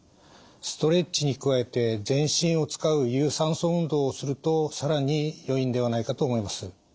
ストレッチに加えて全身を使う有酸素運動をすると更によいんではないかと思います。